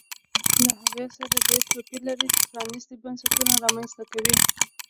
له هغې سره ډېر توپیر لري چې پرانیستي بنسټونه رامنځته کوي